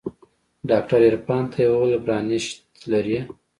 ډاکتر عرفان ته يې وويل برانشيت لري.